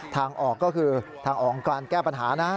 ทางออกก็คือทางออกของการแก้ปัญหานะ